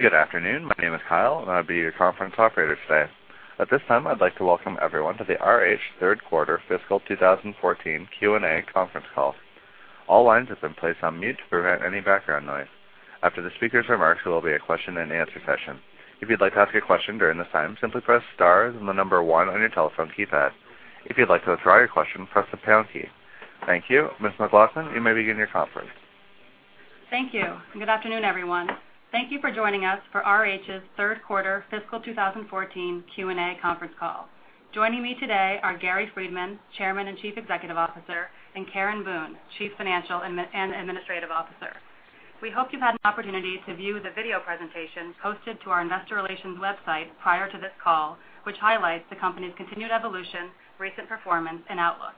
Good afternoon. My name is Kyle, and I'll be your conference operator today. At this time, I'd like to welcome everyone to the RH third quarter fiscal 2014 Q&A conference call. All lines have been placed on mute to prevent any background noise. After the speakers' remarks, there will be a question-and-answer session. If you'd like to ask a question during this time, simply press star, then the number 1 on your telephone keypad. If you'd like to withdraw your question, press the pound key. Thank you. Ms. McLaughlin, you may begin your conference. Thank you. Good afternoon, everyone. Thank you for joining us for RH's third quarter fiscal 2014 Q&A conference call. Joining me today are Gary Friedman, Chairman and Chief Executive Officer, and Karen Boone, Chief Financial and Administrative Officer. We hope you've had an opportunity to view the video presentation posted to our investor relations website prior to this call, which highlights the company's continued evolution, recent performance, and outlook.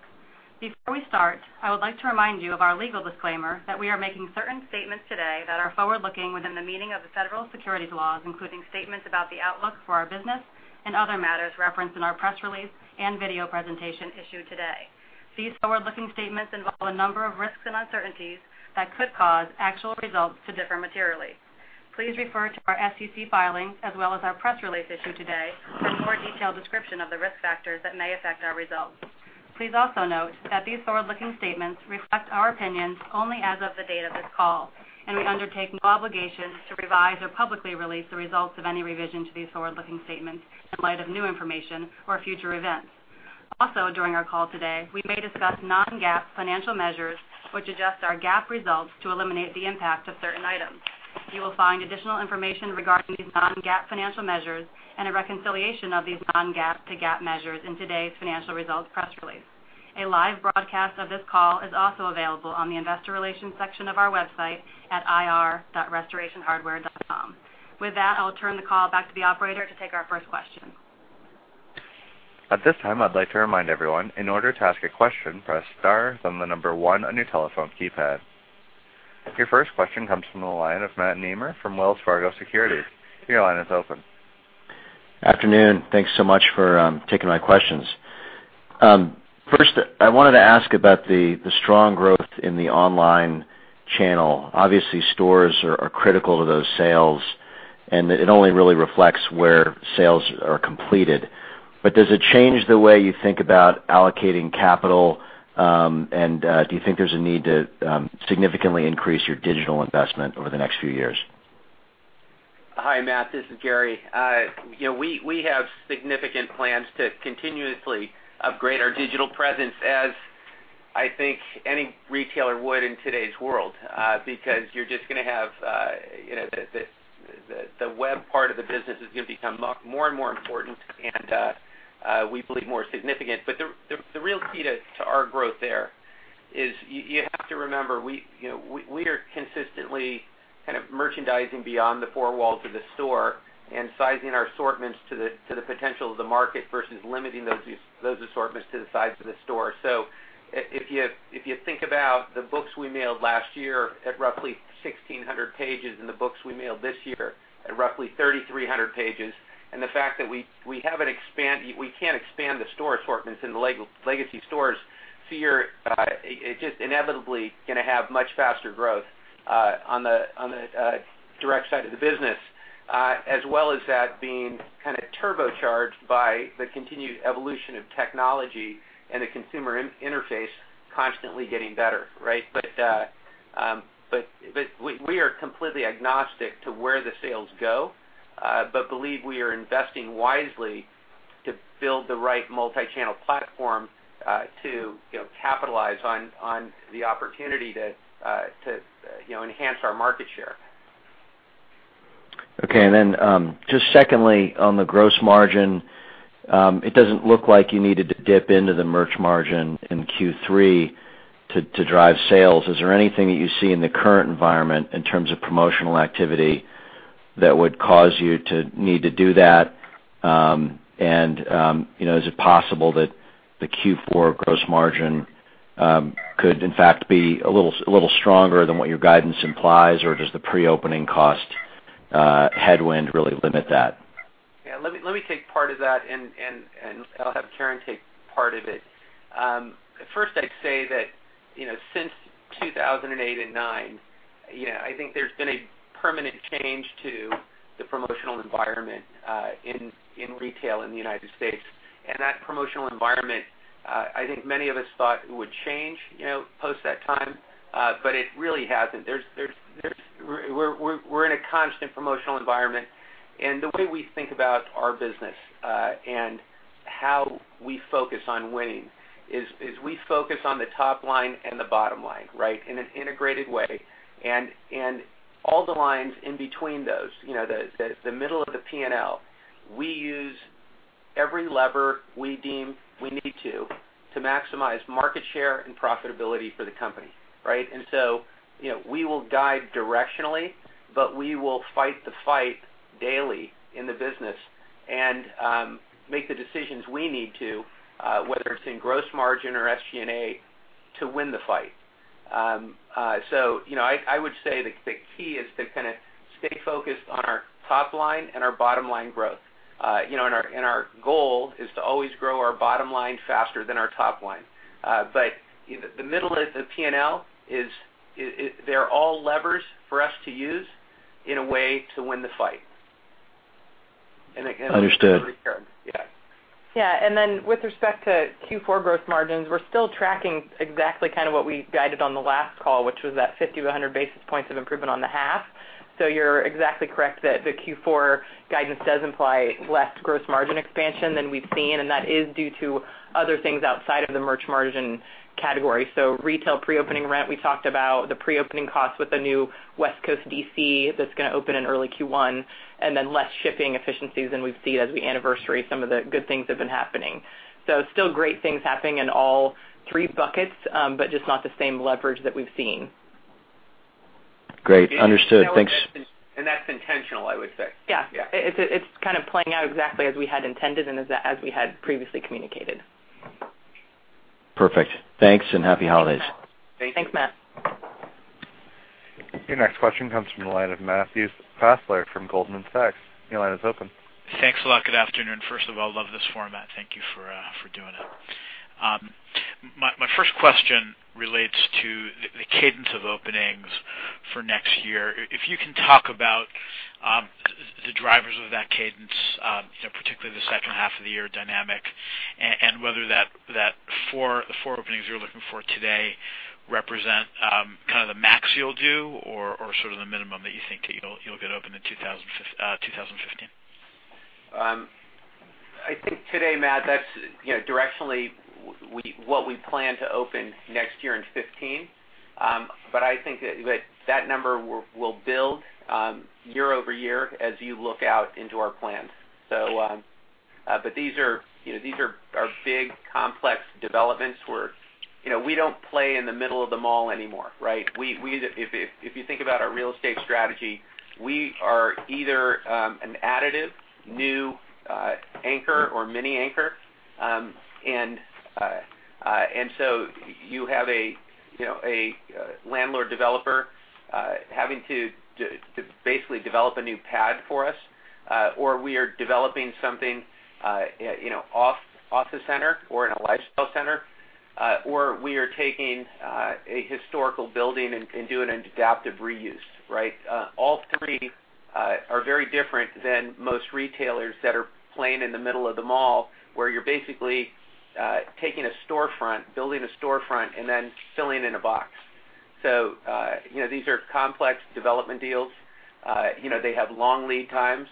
Before we start, I would like to remind you of our legal disclaimer that we are making certain statements today that are forward-looking within the meaning of the federal securities laws, including statements about the outlook for our business and other matters referenced in our press release and video presentation issued today. These forward-looking statements involve a number of risks and uncertainties that could cause actual results to differ materially. Please refer to our SEC filings as well as our press release issued today for a more detailed description of the risk factors that may affect our results. Please also note that these forward-looking statements reflect our opinions only as of the date of this call. We undertake no obligation to revise or publicly release the results of any revision to these forward-looking statements in light of new information or future events. During our call today, we may discuss non-GAAP financial measures, which adjust our GAAP results to eliminate the impact of certain items. You will find additional information regarding these non-GAAP financial measures and a reconciliation of these non-GAAP to GAAP measures in today's financial results press release. A live broadcast of this call is also available on the investor relations section of our website at ir.restorationhardware.com. With that, I'll turn the call back to the operator to take our first question. At this time, I'd like to remind everyone, in order to ask a question, press star, then the number 1 on your telephone keypad. Your first question comes from the line of Matt Nemer from Wells Fargo Securities. Your line is open. Afternoon. Thanks so much for taking my questions. First, I wanted to ask about the strong growth in the online channel. Obviously, stores are critical to those sales, and it only really reflects where sales are completed. Does it change the way you think about allocating capital? Do you think there's a need to significantly increase your digital investment over the next few years? Hi, Matt. This is Gary. We have significant plans to continuously upgrade our digital presence as I think any retailer would in today's world because the web part of the business is going to become more and more important, and we believe more significant. The real key to our growth there is you have to remember, we are consistently kind of merchandising beyond the four walls of the store and sizing our assortments to the potential of the market versus limiting those assortments to the size of the store. If you think about the books we mailed last year at roughly 1,600 pages and the books we mailed this year at roughly 3,300 pages, the fact that we can't expand the store assortments in the legacy stores, you're just inevitably going to have much faster growth on the direct side of the business, as well as that being turbocharged by the continued evolution of technology and the consumer interface constantly getting better. We are completely agnostic to where the sales go, but believe we are investing wisely to build the right multi-channel platform to capitalize on the opportunity to enhance our market share. Okay, just secondly, on the gross margin, it doesn't look like you needed to dip into the merch margin in Q3 to drive sales. Is there anything that you see in the current environment in terms of promotional activity that would cause you to need to do that? Is it possible that the Q4 gross margin could in fact be a little stronger than what your guidance implies, or does the pre-opening cost headwind really limit that? Yeah, let me take part of that. I'll have Karen take part of it. First, I'd say that since 2008 and 2009, I think there's been a permanent change to the promotional environment in retail in the U.S. That promotional environment, I think many of us thought it would change post that time, it really hasn't. We're in a constant promotional environment. The way we think about our business and how we focus on winning is we focus on the top line and the bottom line in an integrated way, all the lines in between those, the middle of the P&L. We use every lever we deem we need to maximize market share and profitability for the company. We will guide directionally, we will fight the fight daily in the business and make the decisions we need to, whether it's in gross margin or SG&A, to win the fight. I would say the key is to stay focused on our top line and our bottom-line growth. Our goal is to always grow our bottom line faster than our top line. The middle of the P&L, they're all levers for us to use in a way to win the fight. Understood. Yeah. With respect to Q4 growth margins, we're still tracking exactly what we guided on the last call, which was that 50 to 100 basis points of improvement on the half. You're exactly correct that the Q4 guidance does imply less gross margin expansion than we've seen, that is due to other things outside of the merch margin category. Retail pre-opening rent, we talked about the pre-opening costs with the new West Coast DC that's going to open in early Q1. Less shipping efficiencies than we've seen as we anniversary some of the good things that have been happening. Still great things happening in all three buckets, just not the same leverage that we've seen. Great. Understood. Thanks. That's intentional, I would say. Yeah. Yeah. It's playing out exactly as we had intended and as we had previously communicated. Perfect. Thanks, happy holidays. Thank you. Thanks, Matt. Your next question comes from the line of Matt Fassler from Goldman Sachs. Your line is open. Thanks a lot. Good afternoon. First of all, love this format. Thank you for doing it. My first question relates to the cadence of openings for next year. If you can talk about the drivers of that cadence, particularly the second half of the year dynamic, and whether the four openings you're looking for today represent the max you'll do or the minimum that you think that you'll get open in 2015. I think today, Matt, that's directionally what we plan to open next year in 2015. I think that number will build year-over-year as you look out into our plans. These are big, complex developments where we don't play in the middle of the mall anymore, right? If you think about our real estate strategy, we are either an additive, new anchor or mini anchor. You have a landlord developer having to basically develop a new pad for us, or we are developing something off the center or in a lifestyle center, or we are taking a historical building and doing an adaptive reuse, right? All three are very different than most retailers that are playing in the middle of the mall, where you're basically taking a storefront, building a storefront, and then filling in a box. These are complex development deals. They have long lead times.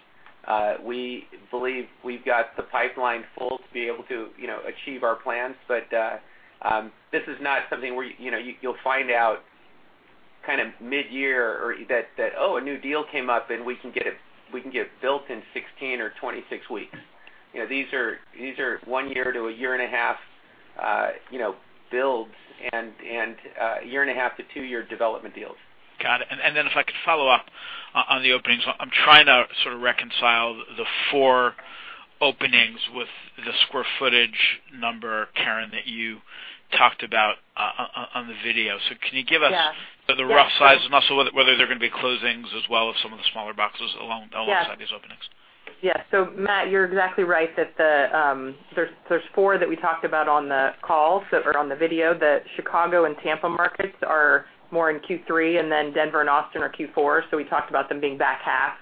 We believe we've got the pipeline full to be able to achieve our plans. This is not something where you'll find out mid-year or that, oh, a new deal came up and we can get it built in 16 or 26 weeks. These are one year to a year and a half builds and a year and a half to two-year development deals. Got it. Then if I could follow up on the openings. I'm trying to reconcile the four openings with the square footage number, Karen, that you talked about on the video. Can you give us- Yeah the rough size and also whether there are going to be closings as well of some of the smaller boxes alongside these openings? Yes. Matt, you're exactly right that there's four that we talked about on the call or on the video. The Chicago and Tampa markets are more in Q3. Denver and Austin are Q4. We talked about them being back half.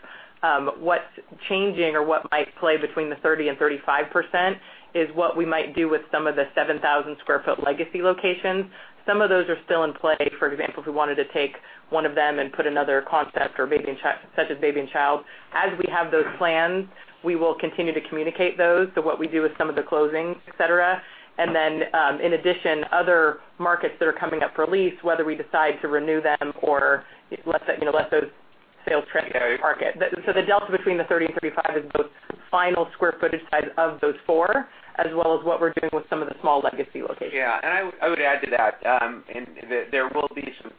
What's changing or what might play between the 30% and 35% is what we might do with some of the 7,000 sq ft legacy locations. Some of those are still in play. For example, if we wanted to take one of them and put another concept such as RH Baby & Child. As we have those plans, we will continue to communicate those. What we do with some of the closings, et cetera. In addition, other markets that are coming up for lease, whether we decide to renew them or let those sales train go to market. The delta between the 30% and 35% is both final square footage size of those four, as well as what we're doing with some of the small legacy locations. Yeah. I would add to that, there will be some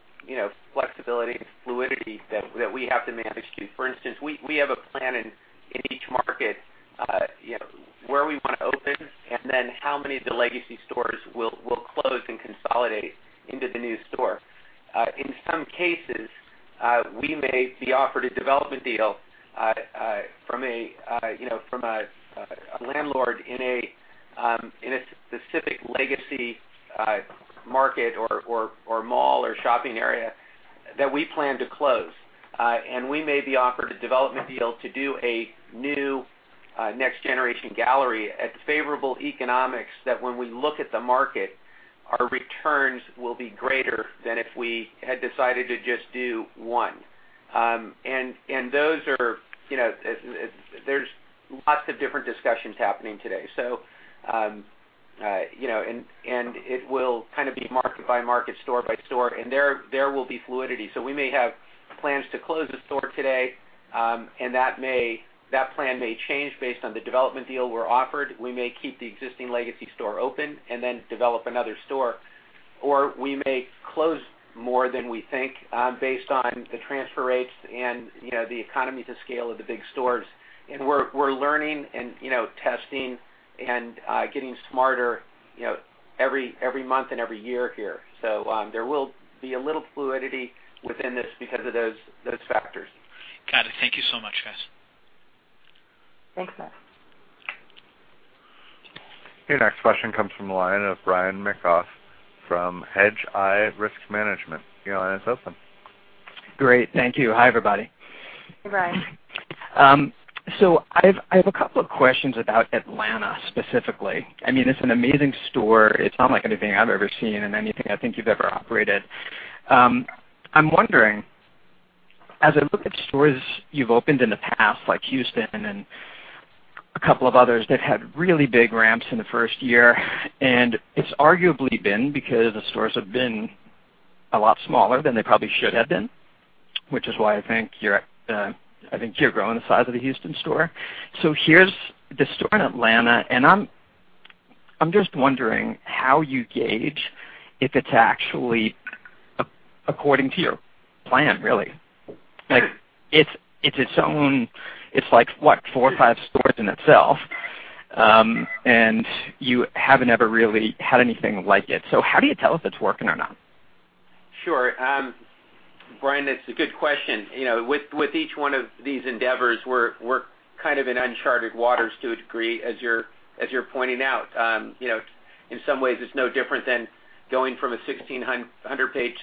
flexibility and fluidity that we have to manage too. For instance, we have a plan in each market where we want to open and then how many of the legacy stores we'll close and consolidate into the new store. In some cases, we may be offered a development deal from a landlord in a specific legacy market or mall or shopping area that we plan to close. We may be offered a development deal to do a new next generation gallery at favorable economics that when we look at the market, our returns will be greater than if we had decided to just do one. There's lots of different discussions happening today. It will be market by market, store by store, and there will be fluidity. We may have plans to close a store today, and that plan may change based on the development deal we're offered. We may keep the existing legacy store open and then develop another store, or we may close more than we think based on the transfer rates and the economies of scale of the big stores. We're learning and testing and getting smarter every month and every year here. There will be a little fluidity within this because of those factors. Got it. Thank you so much, guys. Thanks, Matt. Your next question comes from the line of Brian McGough from Hedgeye Risk Management. Your line is open. Great. Thank you. Hi, everybody. Hi, Brian. I have a couple of questions about Atlanta specifically. It's an amazing store. It's not like anything I've ever seen and anything I think you've ever operated. I'm wondering, as I look at stores you've opened in the past, like Houston and a couple of others that had really big ramps in the first year, it's arguably been because the stores have been a lot smaller than they probably should have been, which is why I think you're growing the size of the Houston store. Here's the store in Atlanta, and I'm just wondering how you gauge if it's actually according to your plan, really. It's like what? Four or five stores in itself. You haven't ever really had anything like it. How do you tell if it's working or not? Sure. Brian, that's a good question. With each one of these endeavors, we're in uncharted waters to a degree, as you're pointing out. In some ways it's no different than going from a 1,600-page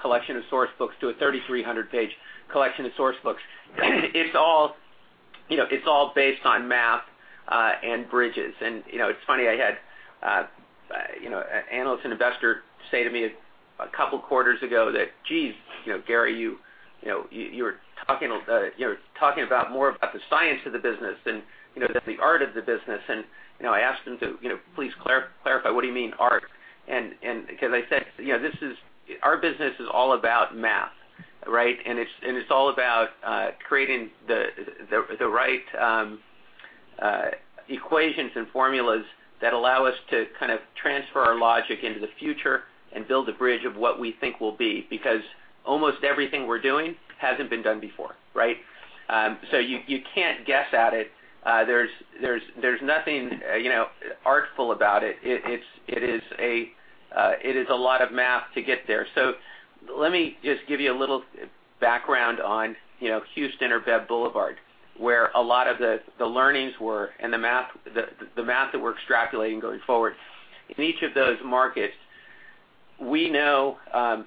collection of source books to a 3,300-page collection of source books. It's all based on math, and bridges. It's funny, I had an analyst and investor say to me a couple of quarters ago that, "Geez, Gary, you're talking about more about the science of the business than the art of the business." I asked him to please clarify, what do you mean art? Because I said, our business is all about math. It's all about creating the right equations and formulas that allow us to transfer our logic into the future and build a bridge of what we think will be. Because almost everything we're doing hasn't been done before. You can't guess at it. There's nothing artful about it. It is a lot of math to get there. Let me just give you a little background on Houston or Beverly Boulevard, where a lot of the learnings were and the math that we're extrapolating going forward. In each of those markets, we know,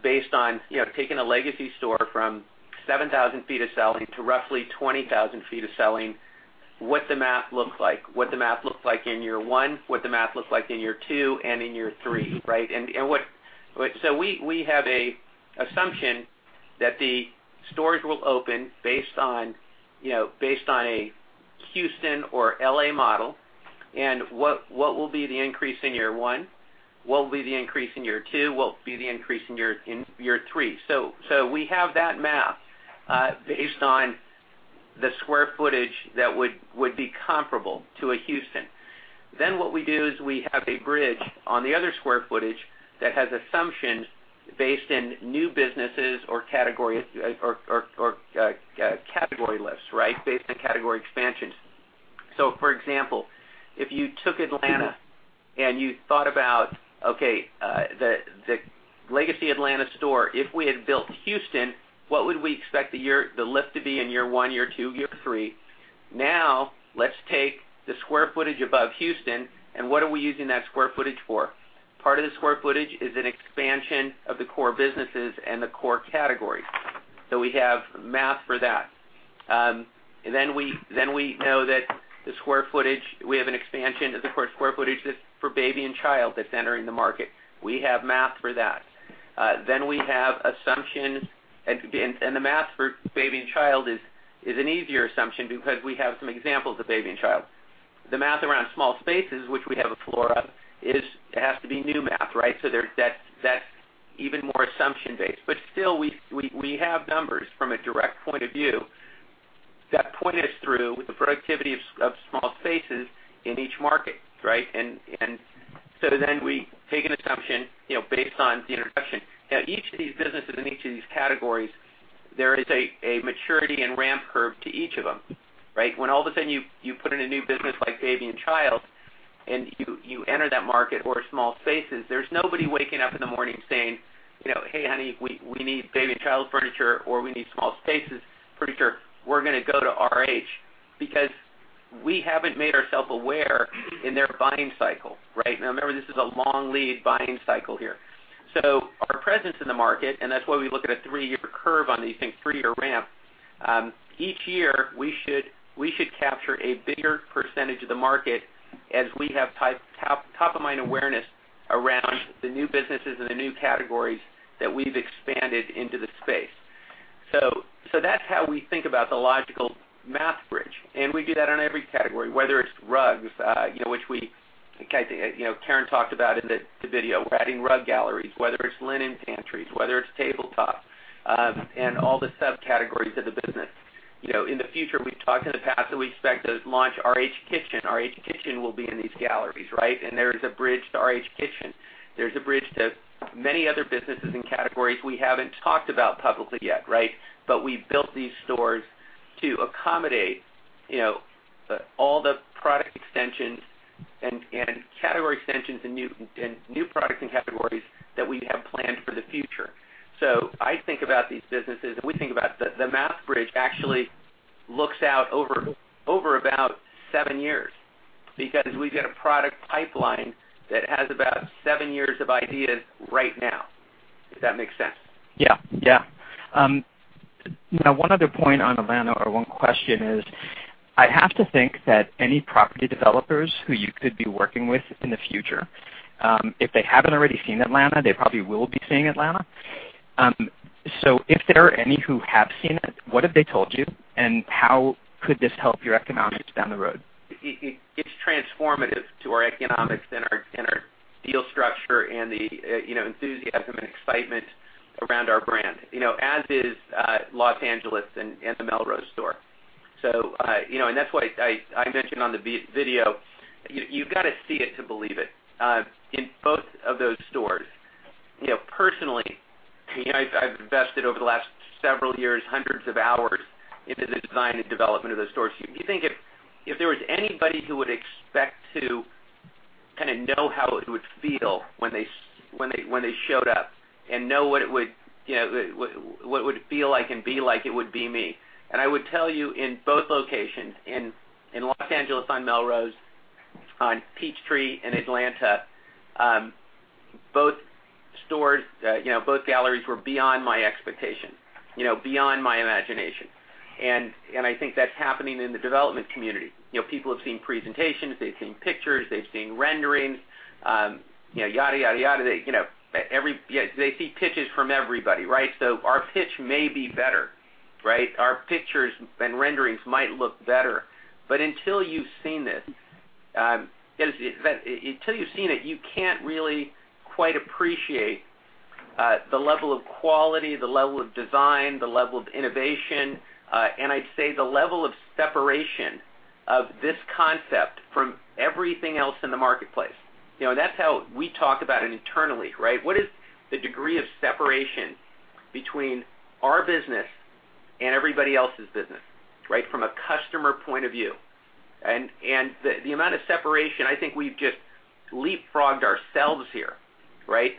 based on taking a legacy store from 7,000 feet of selling to roughly 20,000 feet of selling, what the math looks like. What the math looks like in year one, what the math looks like in year two and in year three. We have an assumption that the stores will open based on a Houston or L.A. model. What will be the increase in year one, what will be the increase in year two, what will be the increase in year three. We have that math based on the square footage that would be comparable to a Houston. What we do is we have a bridge on the other square footage that has assumptions based on new businesses or category lifts based on category expansions. For example, if you took Atlanta and you thought about, okay, the legacy Atlanta store, if we had built Houston, what would we expect the lift to be in year one, year two, year three? Let's take the square footage above Houston, and what are we using that square footage for? Part of the square footage is an expansion of the core businesses and the core categories. We have math for that. We know that the square footage, we have an expansion of the core square footage that's for Baby & Child that's entering the market. We have math for that. We have assumptions, the math for Baby & Child is an easier assumption because we have some examples of Baby & Child. The math around small spaces, which we have a floor of, it has to be new math. That's even more assumption-based. Still, we have numbers from a direct point of view that point us through the productivity of small spaces in each market. We take an assumption based on the introduction. Each of these businesses in each of these categories, there is a maturity and ramp curve to each of them. When all of a sudden you put in a new business like Baby & Child and you enter that market or small spaces, there's nobody waking up in the morning saying, "Hey, honey, we need Baby & Child furniture," or, "We need small spaces furniture. We're going to go to RH," because we haven't made ourselves aware in their buying cycle. Remember, this is a long lead buying cycle here. Our presence in the market, and that's why we look at a three-year curve on these things, three-year ramp. Each year, we should capture a bigger percentage of the market as we have top-of-mind awareness around the new businesses and the new categories that we've expanded into the space. That's how we think about the logical math bridge. We do that on every category, whether it's rugs, which Karen talked about in the video. We're adding rug galleries, whether it's linen pantries, whether it's tabletops, and all the subcategories of the business. In the future, we've talked in the past that we expect to launch RH Kitchen. RH Kitchen will be in these galleries. There is a bridge to RH Kitchen. There's a bridge to many other businesses and categories we haven't talked about publicly yet. We've built these stores to accommodate all the product extensions and category extensions and new products and categories that we have planned for the future. I think about these businesses, and we think about the math bridge actually looks out over about seven years, because we've got a product pipeline that has about seven years of ideas right now. If that makes sense. Yeah. One other point on Atlanta or one question is, I have to think that any property developers who you could be working with in the future, if they haven't already seen Atlanta, they probably will be seeing Atlanta. If there are any who have seen it, what have they told you, and how could this help your economics down the road? It's transformative to our economics and our deal structure and the enthusiasm and excitement around our brand, as is Los Angeles and the Melrose store. That's why I mentioned on the video, you've got to see it to believe it, in both of those stores. Personally, I've invested over the last several years, hundreds of hours into the design and development of those stores. You think if there was anybody who would expect to know how it would feel when they showed up and know what it would feel like and be like, it would be me. I would tell you in both locations, in Los Angeles on Melrose, on Peachtree in Atlanta, both galleries were beyond my expectation, beyond my imagination. I think that's happening in the development community. People have seen presentations, they've seen pictures, they've seen renderings, yada, yada. They see pitches from everybody, right? Our pitch may be better, right? Our pictures and renderings might look better. Until you've seen it, you can't really quite appreciate the level of quality, the level of design, the level of innovation, and I'd say, the level of separation of this concept from everything else in the marketplace. That's how we talk about it internally, right? What is the degree of separation between our business and everybody else's business, right? From a customer point of view. The amount of separation, I think we've just leapfrogged ourselves here, right?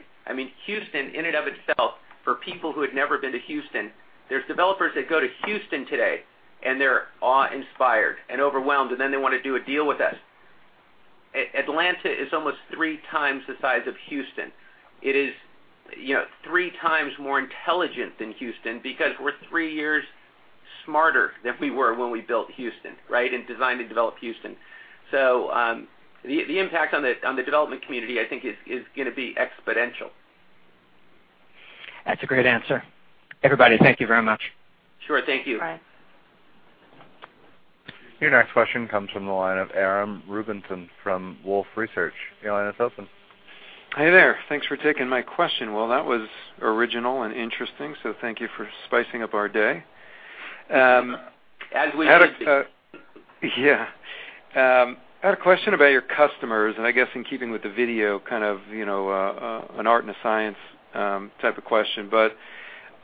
Houston, in and of itself, for people who had never been to Houston, there's developers that go to Houston today and they're awe-inspired and overwhelmed, and then they want to do a deal with us. Atlanta is almost three times the size of Houston. It is three times more intelligent than Houston because we're three years smarter than we were when we built Houston, right? Designed and developed Houston. The impact on the development community, I think, is going to be exponential. That's a great answer. Everybody, thank you very much. Sure. Thank you. Your next question comes from the line of Aram Rubinson from Wolfe Research. Your line is open. Hey there. Thanks for taking my question. Well, that was original and interesting. Thank you for spicing up our day. As we do. Yeah. I had a question about your customers, and I guess in keeping with the video, kind of an art and a science type of question.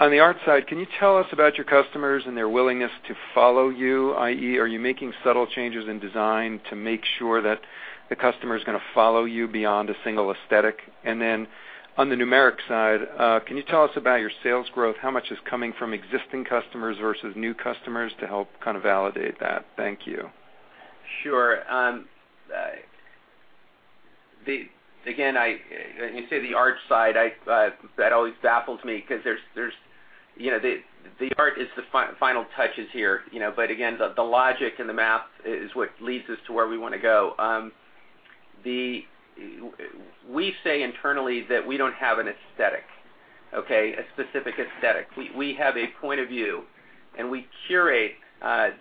On the art side, can you tell us about your customers and their willingness to follow you, i.e., are you making subtle changes in design to make sure that the customer is going to follow you beyond a single aesthetic? On the numeric side, can you tell us about your sales growth? How much is coming from existing customers versus new customers to help kind of validate that? Thank you. Sure. Again, when you say the art side, that always baffles me because the art is the final touches here. Again, the logic and the math is what leads us to where we want to go. We say internally that we don't have an aesthetic, okay? A specific aesthetic. We have a point of view, and we curate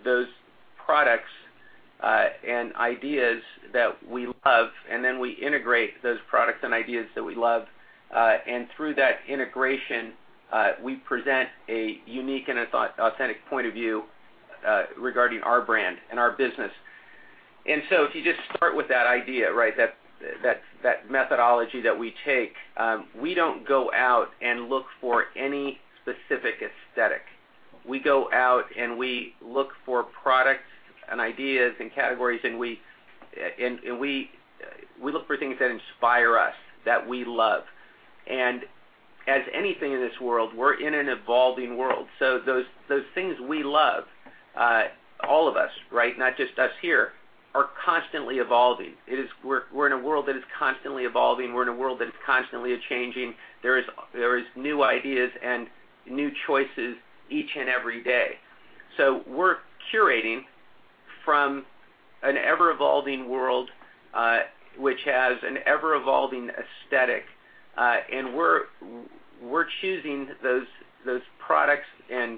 those products and ideas that we love, then we integrate those products and ideas that we love. Through that integration, we present a unique and authentic point of view regarding our brand and our business. If you just start with that idea, right, that methodology that we take, we don't go out and look for any specific aesthetic. We go out and we look for products and ideas and categories, and we look for things that inspire us, that we love. As anything in this world, we're in an evolving world. Those things we love, all of us, right, not just us here, are constantly evolving. We're in a world that is constantly evolving. We're in a world that is constantly changing. There is new ideas and new choices each and every day. We're curating from an ever-evolving world, which has an ever-evolving aesthetic. We're choosing those products and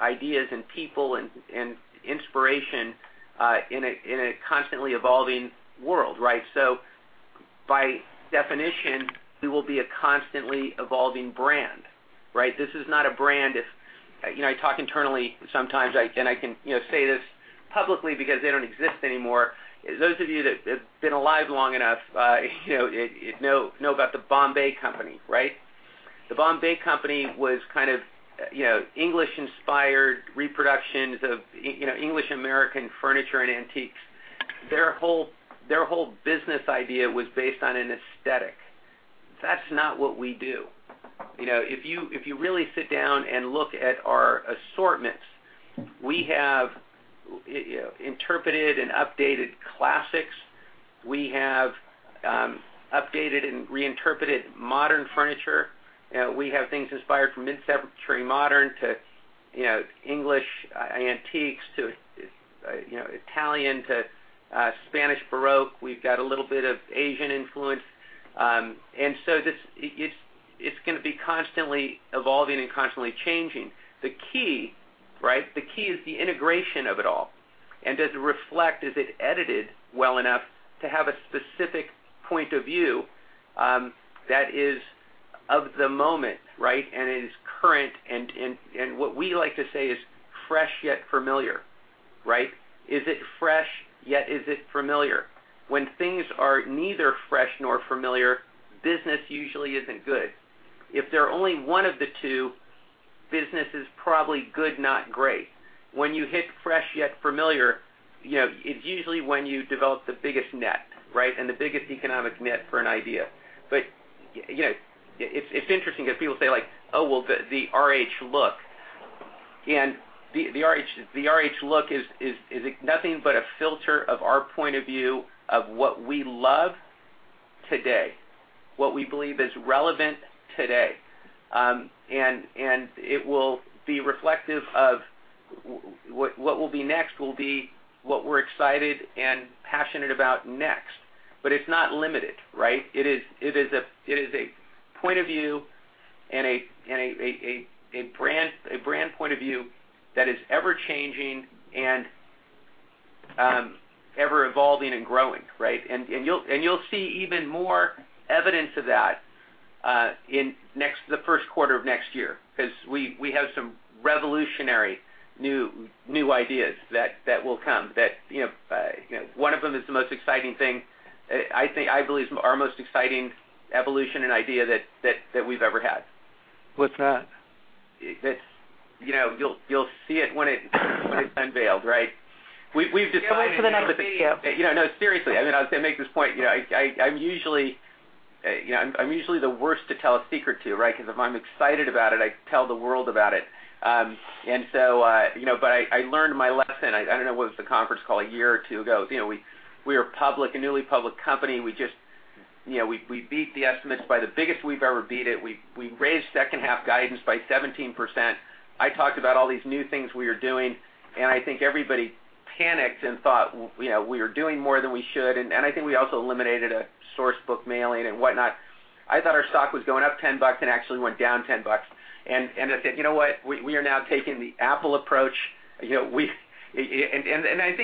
ideas and people and inspiration, in a constantly evolving world, right? By definition, we will be a constantly evolving brand, right? This is not a brand if I talk internally sometimes, and I can say this publicly because they don't exist anymore. Those of you that have been alive long enough know about The Bombay Company, right? The Bombay Company was kind of English-inspired reproductions of English American furniture and antiques. Their whole business idea was based on an aesthetic. That's not what we do. If you really sit down and look at our assortments, we have interpreted and updated classics. We have updated and reinterpreted modern furniture. We have things inspired from mid-century modern to English antiques to Italian to Spanish Baroque. We've got a little bit of Asian influence. It's going to be constantly evolving and constantly changing. The key is the integration of it all, and does it reflect, is it edited well enough to have a specific point of view that is of the moment. It is current, and what we like to say is fresh, yet familiar. Is it fresh, yet is it familiar? When things are neither fresh nor familiar, business usually isn't good. If they're only one of the two, business is probably good, not great. When you hit fresh, yet familiar, it's usually when you develop the biggest net, and the biggest economic net for an idea. It's interesting because people say, "Oh, well, the RH look." The RH look is nothing but a filter of our point of view of what we love today, what we believe is relevant today. It will be reflective of what will be next will be what we're excited and passionate about next. It's not limited. It is a point of view and a brand point of view that is ever-changing and ever-evolving and growing. You'll see even more evidence of that in the first quarter of next year because we have some revolutionary new ideas that will come. One of them is the most exciting thing. I believe is our most exciting evolution and idea that we've ever had. What's that? You'll see it when it's unveiled. We've decided. It's in another video. No, seriously. I was going to make this point. I'm usually the worst to tell a secret to because if I'm excited about it, I tell the world about it. I learned my lesson. I don't know. It was the conference call a year or two ago. We were a newly public company. We beat the estimates by the biggest we've ever beat it. We raised second half guidance by 17%. I talked about all these new things we were doing, and I think everybody panicked and thought we are doing more than we should, and I think we also eliminated a source book mailing and whatnot. I thought our stock was going up $10 and actually went down $10. I said, "You know what? We are now taking the Apple approach." I think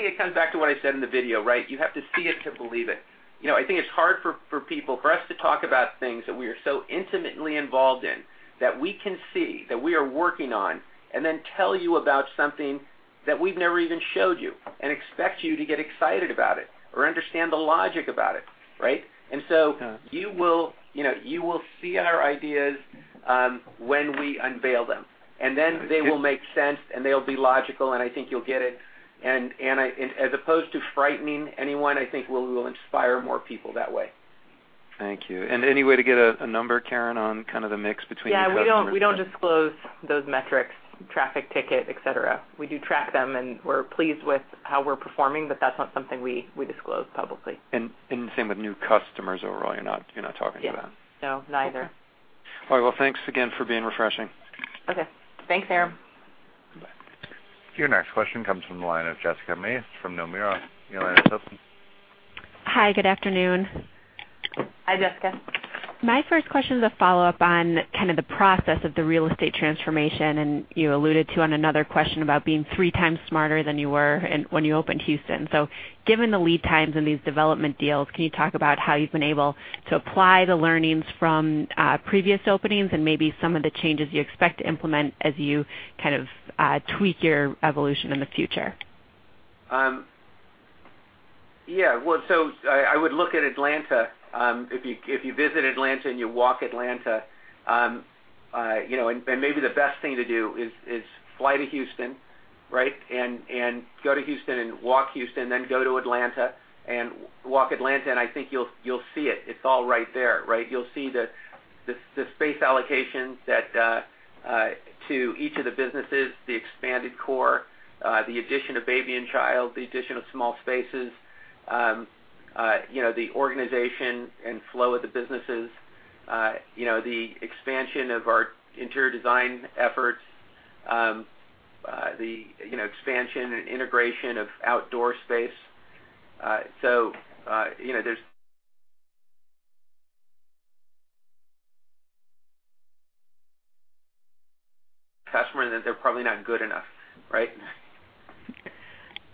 it comes back to what I said in the video. You have to see it to believe it. I think it's hard for people, for us to talk about things that we are so intimately involved in, that we can see, that we are working on, and then tell you about something that we've never even showed you and expect you to get excited about it or understand the logic about it. Yeah. You will see our ideas when we unveil them. They will make sense, and they'll be logical, and I think you'll get it. As opposed to frightening anyone, I think we will inspire more people that way. Thank you. Any way to get a number, Karen, on kind of the mix between? Yeah. We don't disclose those metrics, traffic ticket, et cetera. We do track them, and we're pleased with how we're performing, but that's not something we disclose publicly. Same with new customers overall, you're not talking about? Yes. No, neither. Okay. All right. Well, thanks again for being refreshing. Okay. Thanks, Aram. Bye-bye. Your next question comes from the line of Jessica Mace from Nomura. Your line is open. Hi, good afternoon. Hi, Jessica. My first question is a follow-up on kind of the process of the real estate transformation. You alluded to on another question about being three times smarter than you were when you opened Houston. Given the lead times in these development deals, can you talk about how you've been able to apply the learnings from previous openings and maybe some of the changes you expect to implement as you kind of tweak your evolution in the future? Well, I would look at Atlanta. If you visit Atlanta, you walk Atlanta. Maybe the best thing to do is fly to Houston, go to Houston and walk Houston, go to Atlanta and walk Atlanta, I think you'll see it. It's all right there. You'll see the space allocations to each of the businesses, the expanded core, the addition of RH Baby & Child, the addition of small spaces, the organization and flow of the businesses, the expansion of our interior design efforts, the expansion and integration of outdoor space. There's customers, they're probably not good enough.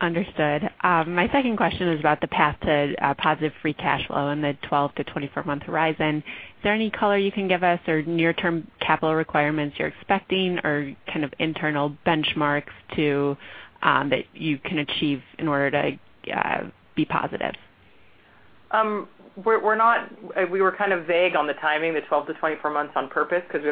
Understood. My second question is about the path to positive free cash flow in the 12- to 24-month horizon. Is there any color you can give us or near-term capital requirements you're expecting or kind of internal benchmarks that you can achieve in order to be positive? We were kind of vague on the timing, the 12 to 24 months on purpose because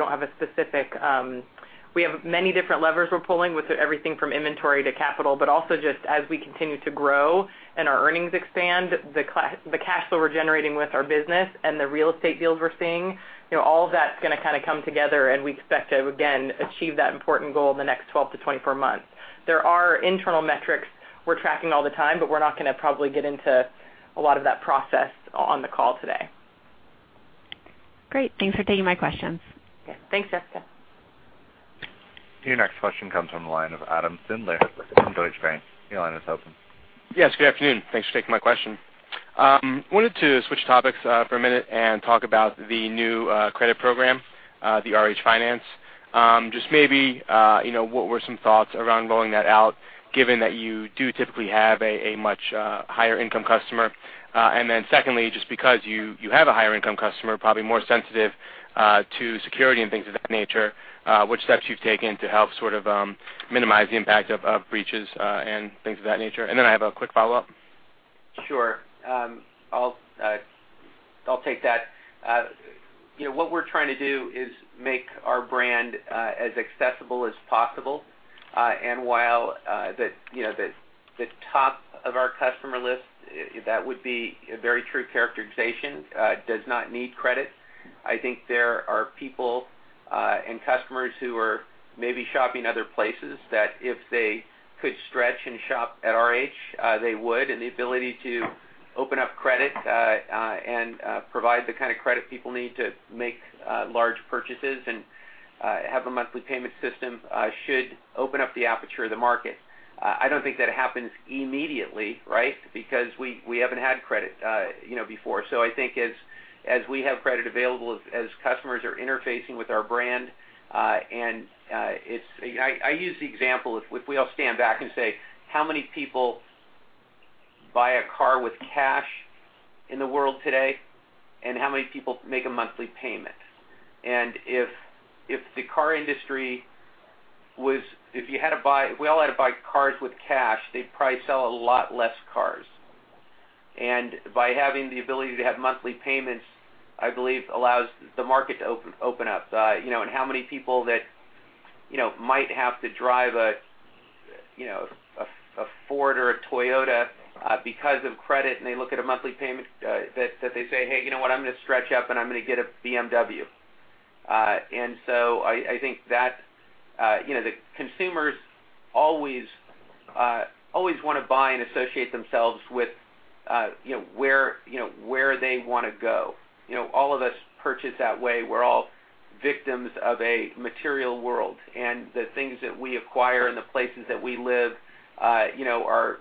we have many different levers we're pulling with everything from inventory to capital, but also just as we continue to grow and our earnings expand, the cash flow we're generating with our business and the real estate deals we're seeing, all of that's going to come together, and we expect to, again, achieve that important goal in the next 12 to 24 months. There are internal metrics we're tracking all the time, but we're not going to probably get into a lot of that process on the call today. Great. Thanks for taking my questions. Okay. Thanks, Jessica. Your next question comes from the line of Adam Sindler with Deutsche Bank. Your line is open. Yes. Good afternoon. Thanks for taking my question. Wanted to switch topics for a minute and talk about the new credit program, the RH Finance. Just maybe, what were some thoughts around rolling that out, given that you do typically have a much higher income customer? Secondly, just because you have a higher income customer, probably more sensitive to security and things of that nature, which steps you've taken to help minimize the impact of breaches and things of that nature? Then I have a quick follow-up. Sure. I'll take that. What we're trying to do is make our brand as accessible as possible. While the top of our customer list, that would be a very true characterization, does not need credit. I think there are people and customers who are maybe shopping other places that if they could stretch and shop at RH, they would. The ability to open up credit and provide the kind of credit people need to make large purchases and have a monthly payment system should open up the aperture of the market. I don't think that happens immediately, right? Because we haven't had credit before. I think as we have credit available, as customers are interfacing with our brand, and I use the example, if we all stand back and say, how many people buy a car with cash in the world today, and how many people make a monthly payment? If the car industry was, if we all had to buy cars with cash, they'd probably sell a lot less cars. By having the ability to have monthly payments, I believe allows the market to open up. How many people that might have to drive a Ford or a Toyota because of credit, and they look at a monthly payment that they say, "Hey, you know what? I'm going to stretch up and I'm gonna get a BMW." I think that the consumers always want to buy and associate themselves with where they want to go. All of us purchase that way. We're all victims of a material world, and the things that we acquire and the places that we live are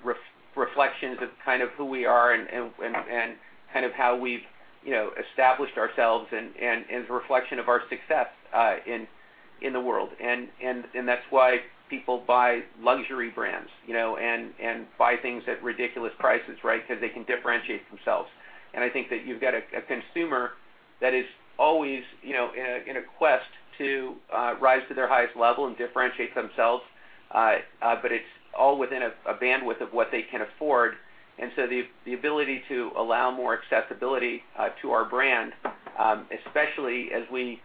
reflections of who we are and how we've established ourselves and is a reflection of our success in the world. That's why people buy luxury brands and buy things at ridiculous prices, right? Because they can differentiate themselves. I think that you've got a consumer that is always in a quest to rise to their highest level and differentiate themselves. It's all within a bandwidth of what they can afford. The ability to allow more accessibility to our brand, especially as we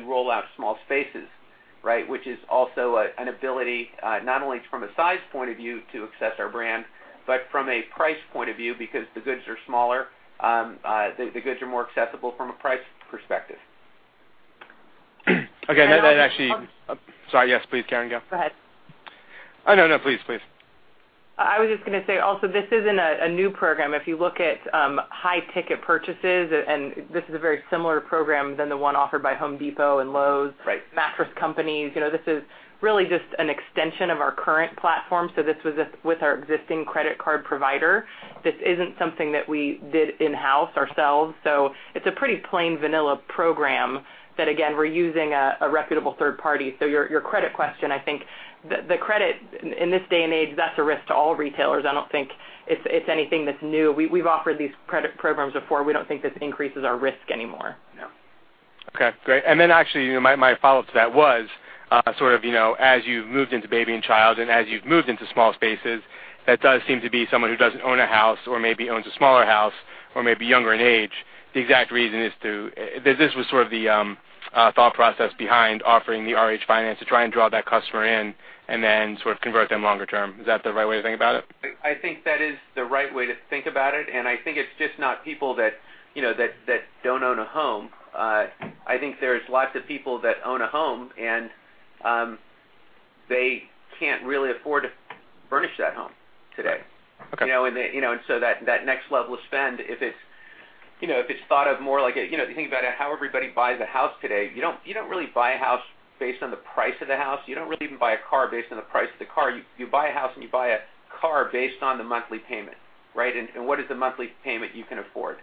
roll out small spaces, right? Which is also an ability, not only from a size point of view to access our brand, but from a price point of view, because the goods are smaller, the goods are more accessible from a price perspective. Okay. That actually. I'll Sorry, yes, please, Karen, go. Go ahead. No, please. I was just going to say also, this isn't a new program. If you look at high ticket purchases, this is a very similar program than the one offered by Home Depot and Lowe's. Right mattress companies. This is really just an extension of our current platform. This was with our existing credit card provider. This isn't something that we did in-house ourselves. It's a pretty plain vanilla program that, again, we're using a reputable third party. Your credit question, I think, the credit in this day and age, that's a risk to all retailers. I don't think it's anything that's new. We've offered these credit programs before. We don't think this increases our risk anymore. No. Okay, great. Actually, my follow-up to that was, as you've moved into RH Baby & Child and as you've moved into small spaces, that does seem to be someone who doesn't own a house or maybe owns a smaller house or may be younger in age. This was the thought process behind offering the RH Finance to try and draw that customer in and then convert them longer term. Is that the right way to think about it? I think that is the right way to think about it. I think it's just not people that don't own a home. I think there's lots of people that own a home, they can't really afford to furnish that home today. Right. Okay. That next level of spend, if it's thought of more like, if you think about it, how everybody buys a house today, you don't really buy a house based on the price of the house. You don't really even buy a car based on the price of the car. You buy a house, you buy a car based on the monthly payment, right? What is the monthly payment you can afford.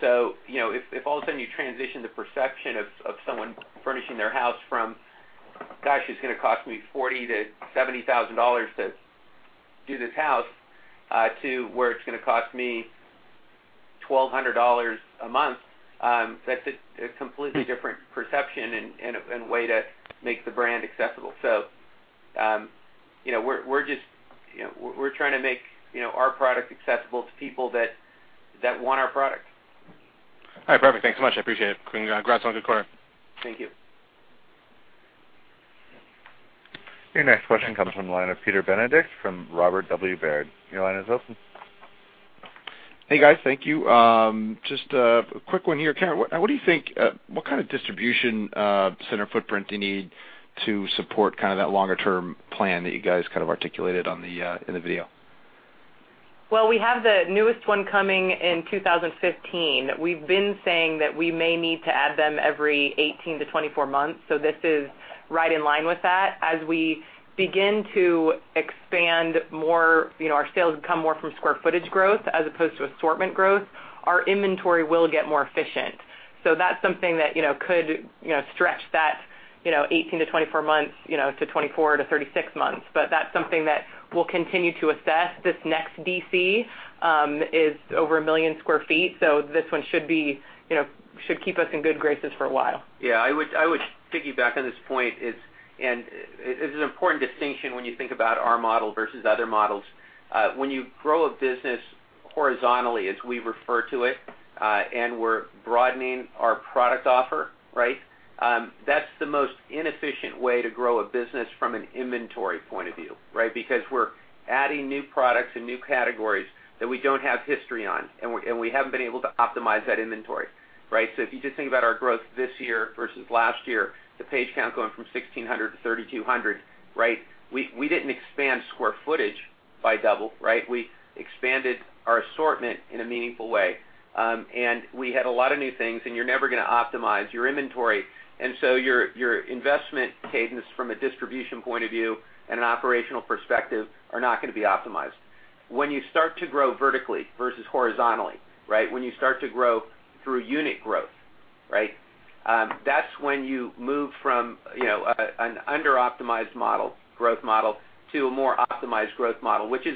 If all of a sudden you transition the perception of someone furnishing their house from, "Gosh, it's going to cost me $40,000-$70,000 to do this house," to where it's going to cost me $1,200 a month, that's a completely different perception and way to make the brand accessible. We're trying to make our product accessible to people that want our product. All right. Perfect. Thanks so much. I appreciate it. Congrats on a good quarter. Thank you. Your next question comes from the line of Peter Benedict from Robert W. Baird. Your line is open. Hey, guys. Thank you. Just a quick one here. Karen, what do you think, what kind of distribution center footprint do you need to support that longer-term plan that you guys articulated in the video? Well, we have the newest one coming in 2015. We've been saying that we may need to add them every 18 to 24 months. This is right in line with that. As we begin to expand more, our sales come more from square footage growth as opposed to assortment growth, our inventory will get more efficient. That's something that could stretch that 18 to 24 months, to 24 to 36 months. That's something that we'll continue to assess. This next DC is over 1 million square feet. This one should keep us in good graces for a while. Yeah, I would piggyback on this point. It is an important distinction when you think about our model versus other models. When you grow a business horizontally, as we refer to it, we're broadening our product offer, that's the most inefficient way to grow a business from an inventory point of view. Because we're adding new products and new categories that we don't have history on, and we haven't been able to optimize that inventory. If you just think about our growth this year versus last year, the page count going from 1,600 to 3,200. We didn't expand square footage by double. We expanded our assortment in a meaningful way. We had a lot of new things, and you're never going to optimize your inventory. Your investment cadence from a distribution point of view and an operational perspective are not going to be optimized. When you start to grow vertically versus horizontally. When you start to grow through unit growth. That's when you move from an under-optimized growth model to a more optimized growth model, which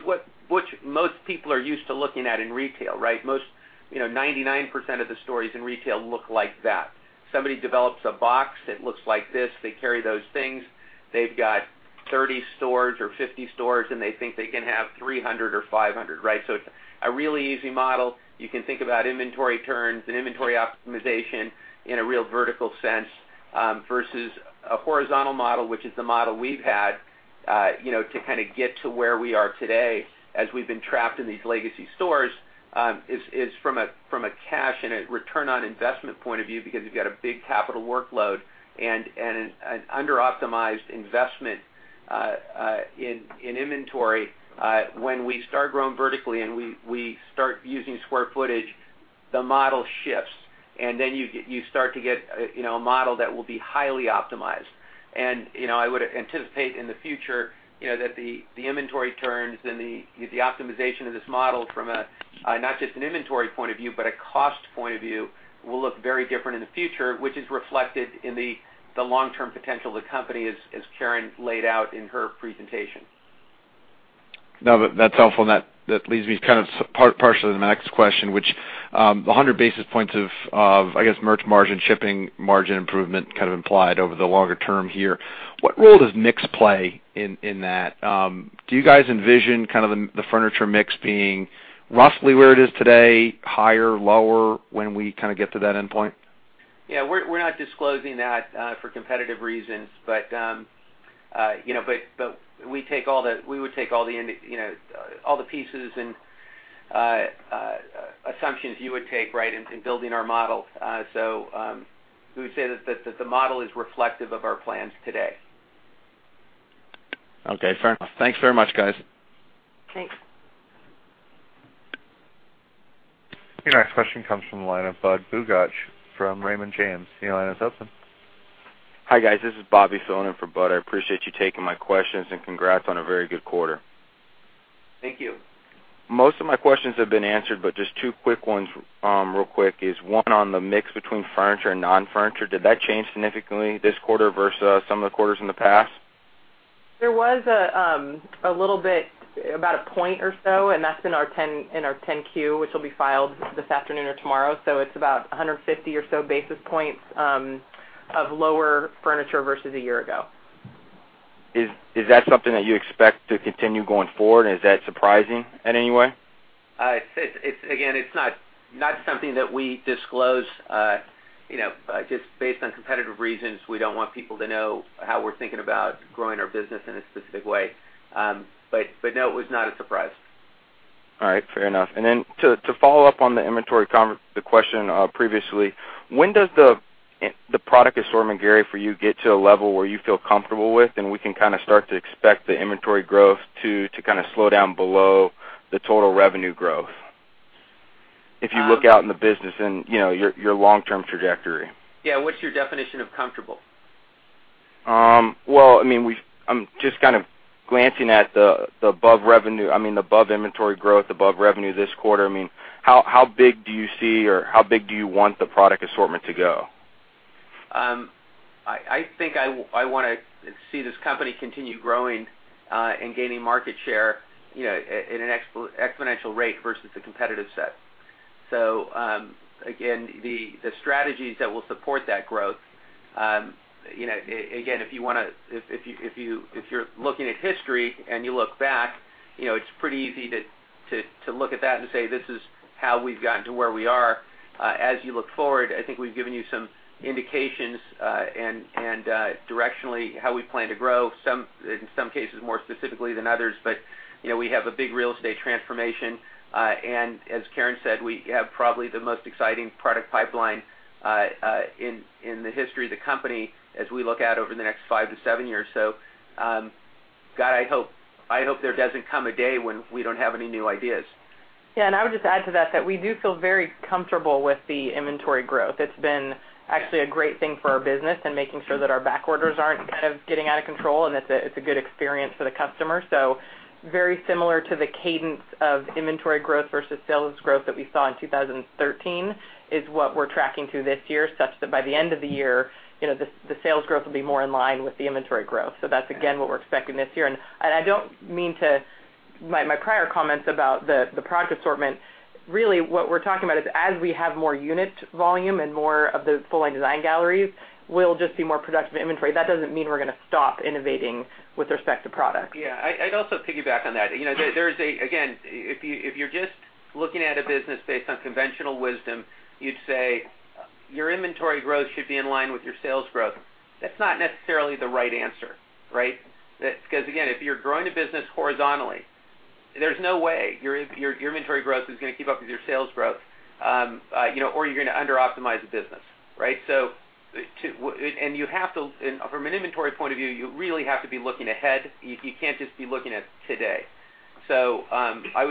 most people are used to looking at in retail. 99% of the stories in retail look like that. Somebody develops a box that looks like this. They carry those things. They've got 30 stores or 50 stores, and they think they can have 300 or 500. It's a really easy model. You can think about inventory turns and inventory optimization in a real vertical sense, versus a horizontal model, which is the model we've had, to kind of get to where we are today, as we've been trapped in these legacy stores, is from a cash and a return on investment point of view because you've got a big capital workload and an under-optimized investment in inventory. When we start growing vertically and we start using square footage, the model shifts. Then you start to get a model that will be highly optimized. I would anticipate in the future that the inventory turns and the optimization of this model from not just an inventory point of view but a cost point of view will look very different in the future, which is reflected in the long-term potential of the company as Karen laid out in her presentation. No, that's helpful. That leads me kind of partially to my next question, which, 100 basis points of, I guess, merch margin, shipping margin improvement kind of implied over the longer term here. What role does mix play in that? Do you guys envision the furniture mix being roughly where it is today, higher, lower when we get to that endpoint? Yeah, we're not disclosing that for competitive reasons. We would take all the pieces and assumptions you would take in building our model. We would say that the model is reflective of our plans today. Okay, fair enough. Thanks very much, guys. Thanks. Your next question comes from the line of Budd Bugatch from Raymond James. Your line is open. Hi, guys. This is Bobby filling in for Budd. I appreciate you taking my questions, and congrats on a very good quarter. Thank you. Most of my questions have been answered, but just two quick ones real quick is one on the mix between furniture and non-furniture. Did that change significantly this quarter versus some of the quarters in the past? There was a little bit, about a point or so, and that's in our 10-Q, which will be filed this afternoon or tomorrow. It's about 150 or so basis points of lower furniture versus a year ago. Is that something that you expect to continue going forward, and is that surprising in any way? It's not something that we disclose. Just based on competitive reasons, we don't want people to know how we're thinking about growing our business in a specific way. No, it was not a surprise. All right. Fair enough. To follow up on the inventory, the question previously, when does the product assortment, Gary, for you get to a level where you feel comfortable with and we can start to expect the inventory growth to slow down below the total revenue growth? If you look out in the business and your long-term trajectory. Yeah. What's your definition of comfortable? Well, I'm just glancing at the above inventory growth, above revenue this quarter. How big do you see or how big do you want the product assortment to go? I think I want to see this company continue growing and gaining market share at an exponential rate versus the competitive set. Again, the strategies that will support that growth. Again, if you're looking at history and you look back, it's pretty easy to look at that and say, "This is how we've gotten to where we are." As you look forward, I think we've given you some indications and directionally how we plan to grow, in some cases more specifically than others. We have a big real estate transformation. As Karen said, we have probably the most exciting product pipeline, in the history of the company as we look out over the next five to seven years. God, I hope there doesn't come a day when we don't have any new ideas. Yeah, I would just add to that we do feel very comfortable with the inventory growth. It's been actually a great thing for our business and making sure that our back orders aren't kind of getting out of control, and it's a good experience for the customer. Very similar to the cadence of inventory growth versus sales growth that we saw in 2013 is what we're tracking to this year, such that by the end of the year, the sales growth will be more in line with the inventory growth. That's again, what we're expecting this year, and I don't mean to My prior comments about the product assortment, really what we're talking about is as we have more unit volume and more of the full-line design galleries, we'll just be more productive in inventory. That doesn't mean we're going to stop innovating with respect to product. I'd also piggyback on that. Again, if you're just looking at a business based on conventional wisdom, you'd say your inventory growth should be in line with your sales growth. That's not necessarily the right answer, right? Because, again, if you're growing a business horizontally, there's no way your inventory growth is going to keep up with your sales growth, or you're going to under optimize the business. Right? From an inventory point of view, you really have to be looking ahead. You can't just be looking at today. I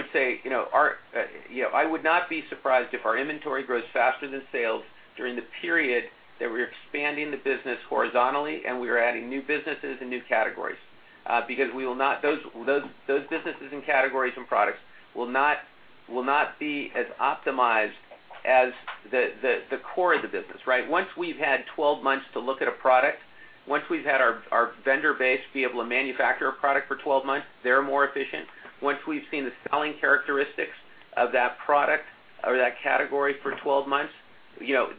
would not be surprised if our inventory grows faster than sales during the period that we're expanding the business horizontally and we are adding new businesses and new categories, because those businesses and categories and products will not be as optimized as the core of the business, right? Once we've had 12 months to look at a product, once we've had our vendor base be able to manufacture a product for 12 months, they're more efficient. Once we've seen the selling characteristics of that product or that category for 12 months,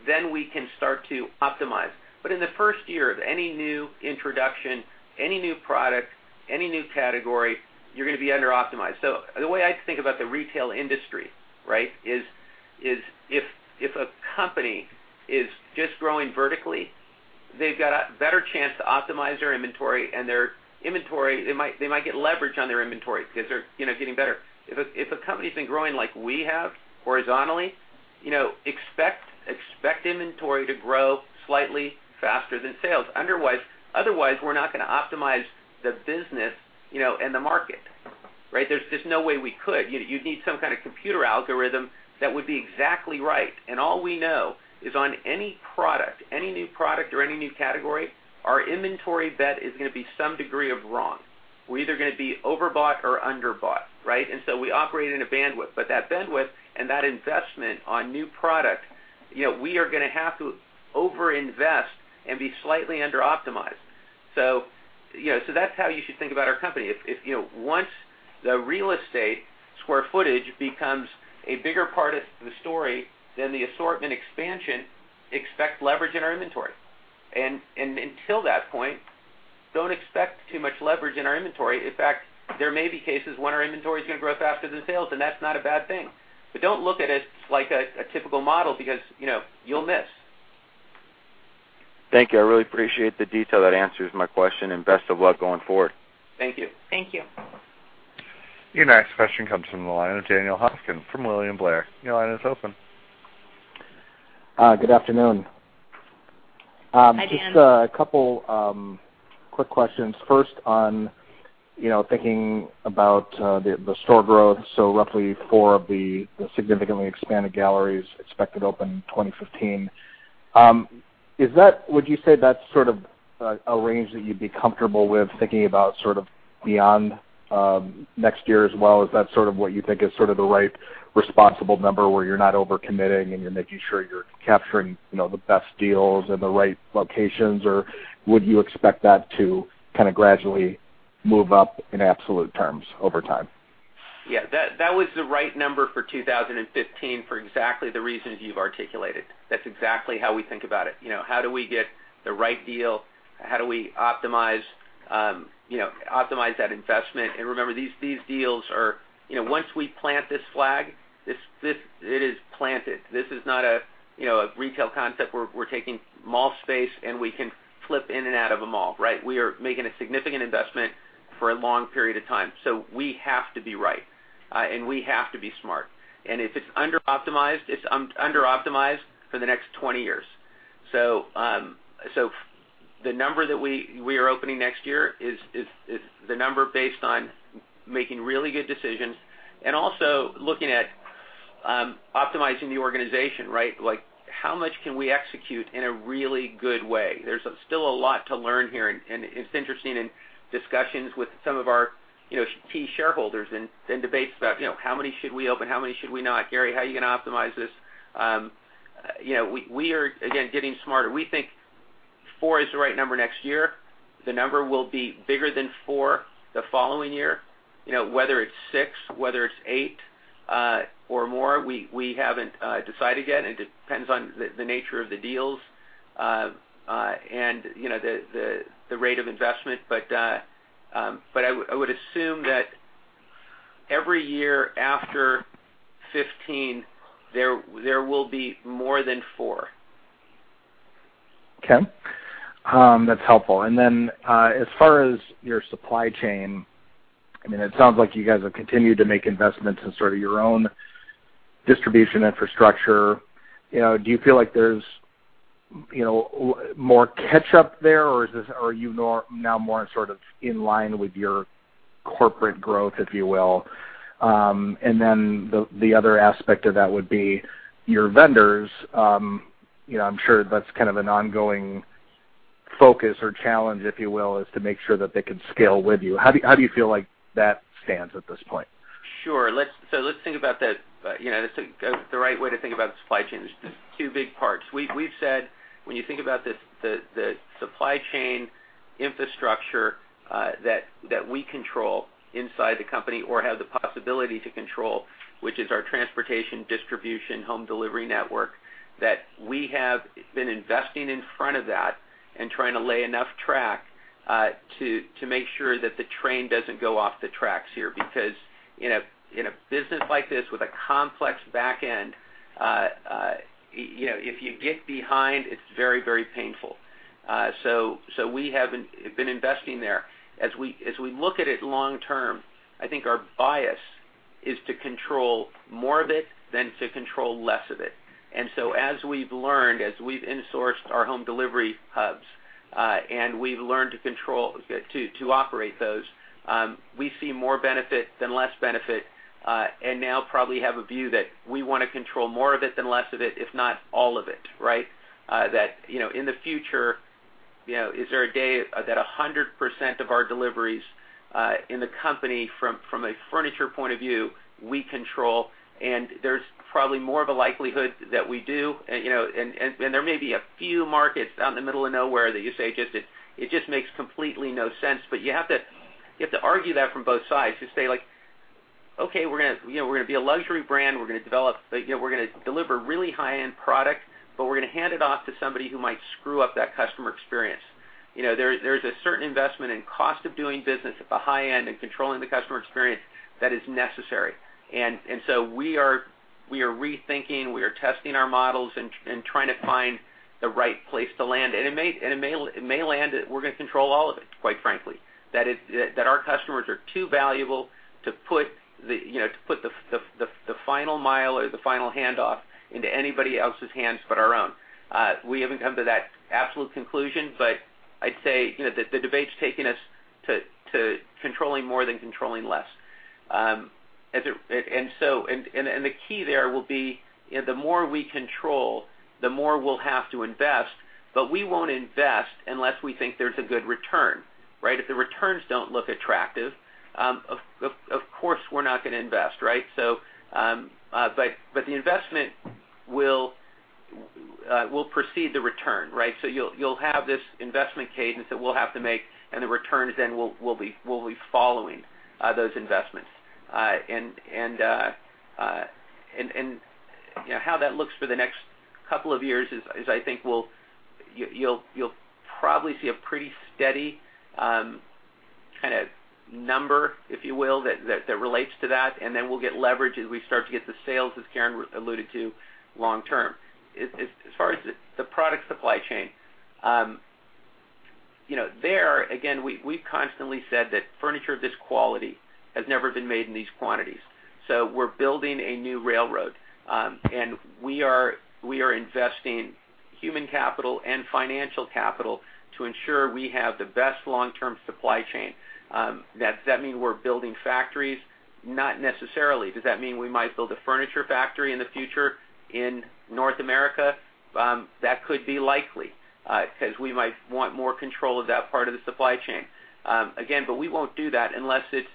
then we can start to optimize. In the first year of any new introduction, any new product, any new category, you're going to be under optimized. The way I think about the retail industry is if a company is just growing vertically, they've got a better chance to optimize their inventory and they might get leverage on their inventory because they're getting better. If a company's been growing like we have horizontally, expect inventory to grow slightly faster than sales. Otherwise, we're not going to optimize the business and the market. Right? There's just no way we could. You'd need some kind of computer algorithm that would be exactly right. All we know is on any product, any new product or any new category, our inventory bet is going to be some degree of wrong. We're either going to be overbought or under bought. Right? We operate in a bandwidth. That bandwidth and that investment on new product, we are going to have to over-invest and be slightly under optimized. That's how you should think about our company. Once the real estate square footage becomes a bigger part of the story than the assortment expansion, expect leverage in our inventory. Until that point, don't expect too much leverage in our inventory. In fact, there may be cases when our inventory is going to grow faster than sales, and that's not a bad thing. Don't look at it like a typical model because you'll miss. Thank you. I really appreciate the detail. That answers my question, and best of luck going forward. Thank you. Thank you. Your next question comes from the line of Daniel Hofkin from William Blair. Your line is open. Good afternoon. Hi, Dan. Just a couple quick questions. First, on thinking about the store growth, roughly four of the significantly expanded galleries expected open in 2015. Would you say that's sort of a range that you'd be comfortable with thinking about beyond next year as well? Is that sort of what you think is the right responsible number where you're not over-committing and you're making sure you're capturing the best deals and the right locations? Would you expect that to gradually move up in absolute terms over time? Yeah, that was the right number for 2015 for exactly the reasons you've articulated. That's exactly how we think about it. How do we get the right deal? How do we optimize that investment? Remember, once we plant this flag, it is planted. This is not a retail concept where we're taking mall space and we can flip in and out of a mall, right? We are making a significant investment for a long period of time. We have to be right, and we have to be smart. If it's under optimized, it's under optimized for the next 20 years. The number that we are opening next year is the number based on making really good decisions and also looking at optimizing the organization, right? Like how much can we execute in a really good way? It's interesting in discussions with some of our key shareholders and debates about how many should we open, how many should we not? Gary, how are you going to optimize this? We are, again, getting smarter. We think four is the right number next year. The number will be bigger than four the following year. Whether it's six, whether it's eight or more, we haven't decided yet. It depends on the nature of the deals and the rate of investment. I would assume that every year after 2015, there will be more than four. Okay. That's helpful. As far as your supply chain, it sounds like you guys have continued to make investments in sort of your own distribution infrastructure. Do you feel like there's more catch-up there, or are you now more sort of in line with your corporate growth, if you will? The other aspect of that would be your vendors. I'm sure that's kind of an ongoing focus or challenge, if you will, is to make sure that they can scale with you. How do you feel like that stands at this point? Sure. The right way to think about supply chain is there's two big parts. We've said when you think about the supply chain infrastructure that we control inside the company or have the possibility to control, which is our transportation, distribution, home delivery network, that we have been investing in front of that and trying to lay enough track to make sure that the train doesn't go off the tracks here. Because in a business like this with a complex back end, if you get behind, it's very painful. We have been investing there. As we look at it long term, I think our bias is to control more of it than to control less of it. As we've learned, as we've insourced our home delivery hubs, and we've learned to operate those, we see more benefit than less benefit, and now probably have a view that we want to control more of it than less of it, if not all of it, right? That in the future, is there a day that 100% of our deliveries in the company, from a furniture point of view, we control? There's probably more of a likelihood that we do, and there may be a few markets out in the middle of nowhere that you say, "It just makes completely no sense." You have to argue that from both sides to say, like, "Okay, we're going to be a luxury brand. We're going to deliver really high-end product, but we're going to hand it off to somebody who might screw up that customer experience." There's a certain investment in cost of doing business at the high end and controlling the customer experience that is necessary. We are rethinking, we are testing our models, and trying to find the right place to land. It may land that we're going to control all of it, quite frankly. That our customers are too valuable to put the final mile or the final handoff into anybody else's hands but our own. We haven't come to that absolute conclusion, but I'd say the debate's taken us to controlling more than controlling less. The key there will be, the more we control, the more we'll have to invest, but we won't invest unless we think there's a good return, right? If the returns don't look attractive, of course we're not going to invest, right? The investment will precede the return, right? You'll have this investment cadence that we'll have to make, and the returns then will be following those investments. How that looks for the next couple of years is, I think, you'll probably see a pretty steady kind of number, if you will, that relates to that, and then we'll get leverage as we start to get the sales, as Karen alluded to, long term. As far as the product supply chain, there, again, we've constantly said that furniture of this quality has never been made in these quantities. We're building a new railroad, and we are investing human capital and financial capital to ensure we have the best long-term supply chain. Does that mean we're building factories? Not necessarily. Does that mean we might build a furniture factory in the future in North America? That could be likely, because we might want more control of that part of the supply chain. Again, we won't do that unless it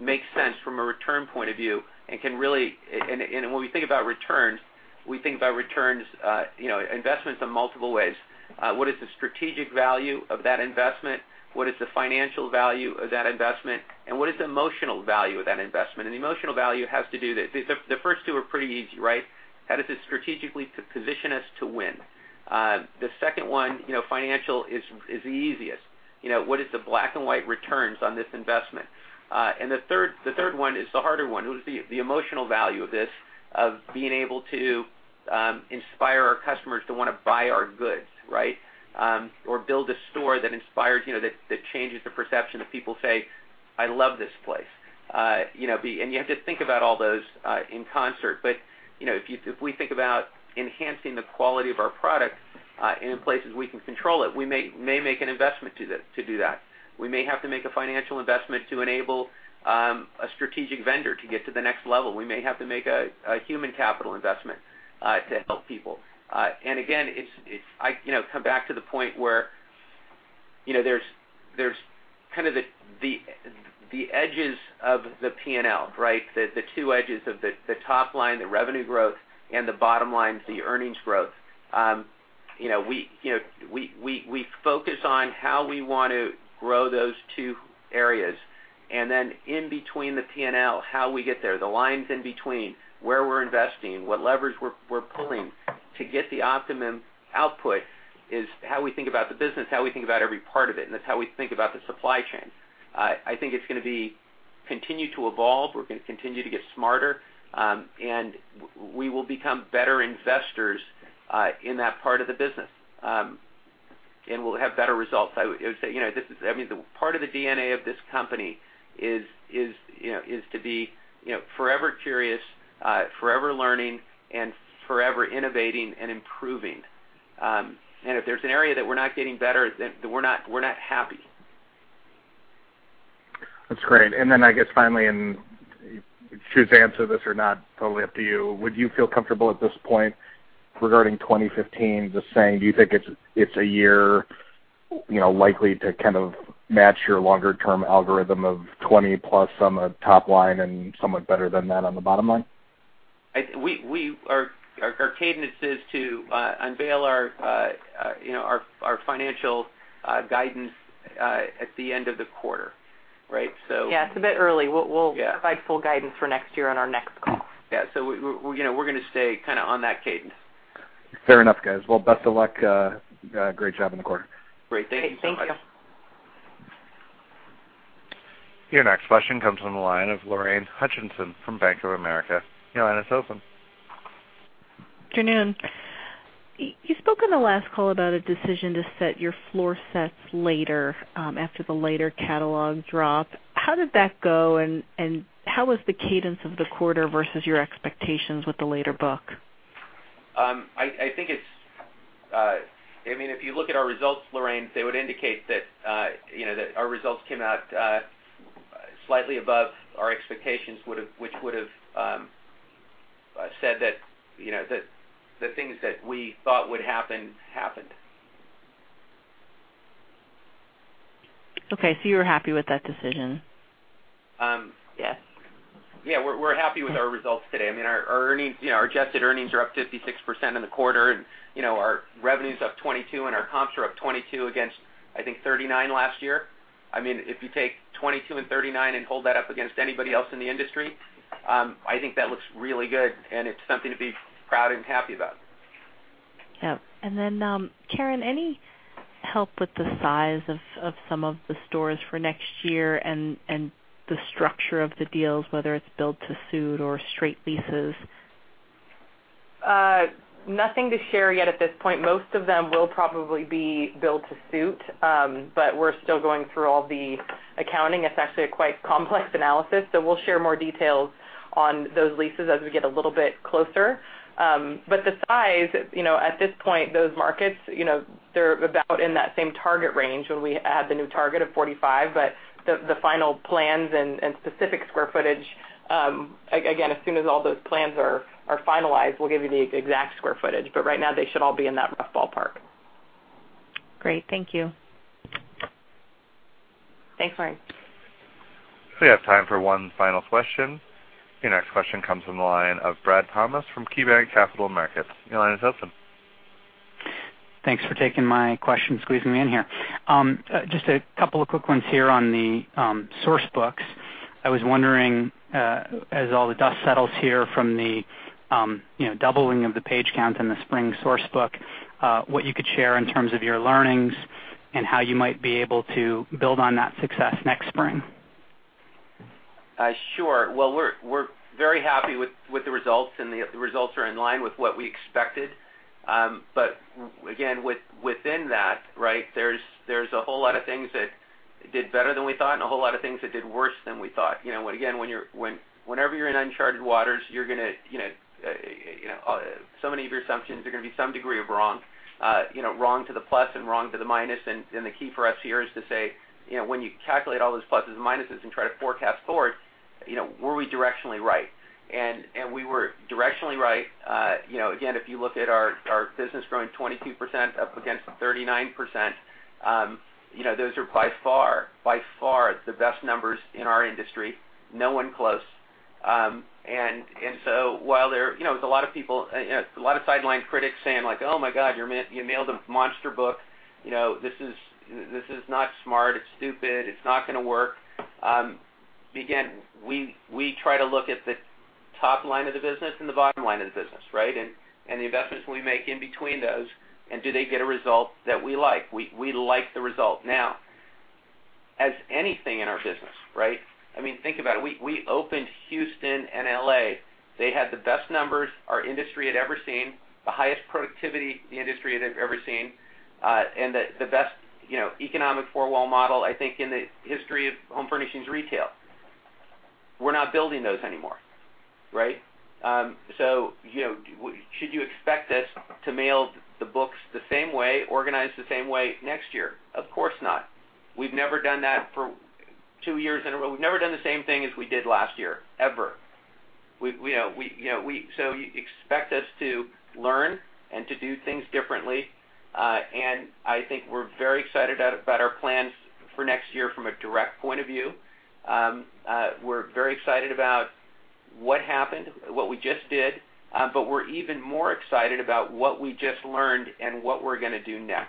makes sense from a return point of view. When we think about returns, we think about returns, investments in multiple ways. What is the strategic value of that investment? What is the financial value of that investment? What is the emotional value of that investment? The first two are pretty easy, right? How does it strategically position us to win? The second one, financial, is the easiest. What is the black and white returns on this investment? The third one is the harder one. What is the emotional value of this, of being able to inspire our customers to want to buy our goods, right? Build a store that changes the perception of people say, "I love this place." You have to think about all those in concert. If we think about enhancing the quality of our product in places we can control it, we may make an investment to do that. We may have to make a financial investment to enable a strategic vendor to get to the next level. We may have to make a human capital investment to help people. Again, I come back to the point where there's kind of the edges of the P&L, right? The two edges of the top line, the revenue growth, and the bottom line, the earnings growth. We focus on how we want to grow those two areas. In between the P&L, how we get there, the lines in between, where we're investing, what levers we're pulling to get the optimum output is how we think about the business, how we think about every part of it, and that's how we think about the supply chain. I think it's going to continue to evolve. We're going to continue to get smarter, and we will become better investors in that part of the business. We'll have better results. Part of the DNA of this company is to be forever curious, forever learning, and forever innovating and improving. If there's an area that we're not getting better, then we're not happy. That's great. I guess, finally, and you choose to answer this or not, totally up to you. Would you feel comfortable at this point regarding 2015, just saying, do you think it's a year likely to match your longer-term algorithm of 20-plus on the top line and somewhat better than that on the bottom line? Our cadence is to unveil our financial guidance at the end of the quarter. Right? Yeah, it's a bit early. We'll provide full guidance for next year on our next call. Yeah. We're going to stay on that cadence. Fair enough, guys. Well, best of luck. Great job on the quarter. Great. Thank you so much. Thank you. Your next question comes from the line of Lorraine Hutchinson from Bank of America. Your line is open. Good afternoon. You spoke on the last call about a decision to set your floor sets later after the later catalog drop. How did that go, and how was the cadence of the quarter versus your expectations with the later book? If you look at our results, Lorraine, they would indicate that our results came out slightly above our expectations, which would have said that the things that we thought would happen, happened. You were happy with that decision? Yes. Yeah, we're happy with our results today. Our adjusted earnings are up 56% in the quarter, and our revenue's up 22%, and our comps are up 22% against, I think, 39% last year. If you take 22% and 39% and hold that up against anybody else in the industry, I think that looks really good, and it's something to be proud and happy about. Yeah. Karen, any help with the size of some of the stores for next year and the structure of the deals, whether it's build to suit or straight leases? Nothing to share yet at this point. Most of them will probably be build to suit, we're still going through all the accounting. It's actually a quite complex analysis, we'll share more details on those leases as we get a little bit closer. The size, at this point, those markets, they're about in that same target range when we add the new target of 45. The final plans and specific square footage, again, as soon as all those plans are finalized, we'll give you the exact square footage. Right now, they should all be in that rough ballpark. Great. Thank you. Thanks, Lorraine. We have time for one final question. Your next question comes from the line of Bradley Thomas from KeyBanc Capital Markets. Your line is open. Thanks for taking my question, squeezing me in here. Just a couple of quick ones here on the source books. I was wondering, as all the dust settles here from the doubling of the page count in the spring source book, what you could share in terms of your learnings and how you might be able to build on that success next spring. We're very happy with the results. The results are in line with what we expected. Again, within that, there's a whole lot of things that did better than we thought and a whole lot of things that did worse than we thought. Again, whenever you're in uncharted waters, so many of your assumptions are going to be some degree of wrong. Wrong to the plus and wrong to the minus. The key for us here is to say, when you calculate all those pluses and minuses and try to forecast forward, were we directionally right? We were directionally right. Again, if you look at our business growing 22% up against 39%, those are by far the best numbers in our industry. No one close. While there's a lot of sideline critics saying, "Oh my God, you mailed a monster book. This is not smart. It's stupid. It's not going to work." We try to look at the top line of the business and the bottom line of the business, right? The investments we make in between those, and do they get a result that we like? We like the result. Now, as anything in our business. Think about it. We opened Houston and L.A. They had the best numbers our industry had ever seen, the highest productivity the industry had ever seen, and the best economic four-wall model, I think, in the history of home furnishings retail. We're not building those anymore. Right? Should you expect us to mail the books the same way, organized the same way next year? Of course not. We've never done that for 2 years in a row. We've never done the same thing as we did last year, ever. Expect us to learn and to do things differently. I think we're very excited about our plans for next year from a direct point of view. We're very excited about what happened, what we just did, but we're even more excited about what we just learned and what we're going to do next.